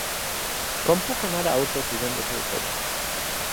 Com puc anar a Otos divendres a les dotze?